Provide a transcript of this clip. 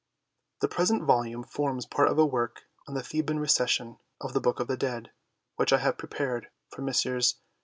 The present volume forms part of a work on the Theban Recension of the Book of the Dead, which I have prepared for Messrs.